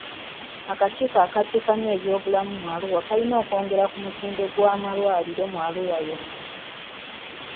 Akakiiko akaddukanya ebyobulamu mu Arua kalina okwongera ku mutindo gw'amalwaliro mu Arua yonna.